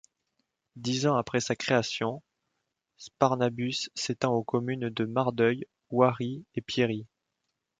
Dix ans après sa création, Sparnabus s'étend aux communes de Mardeuil, Oiry et Pierry.